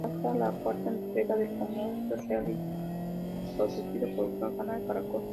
Esta es la cuarta entrega del famoso reality producido por el Canal Caracol.